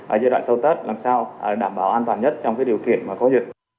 ở giai đoạn sau tết làm sao để đảm bảo an toàn nhất trong cái điều kiện mà có dịch